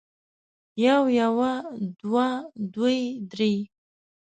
يو يوه دوه دوې درې